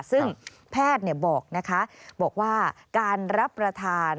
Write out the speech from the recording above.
ซึ่งแพทย์บอกว่าการรับประทาน